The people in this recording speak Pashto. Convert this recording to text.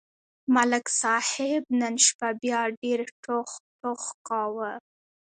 ملک صاحب نن شپه بیا ډېر ټوخ ټوخ کاوه.